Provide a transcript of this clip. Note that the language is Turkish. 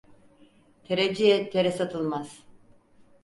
Tereciye tere satılmaz.